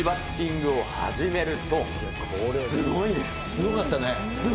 すごかったね。